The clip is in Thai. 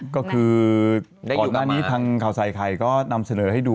ก็คือก่อนหน้านี้ทางข่าวใส่ไข่ก็นำเสนอให้ดู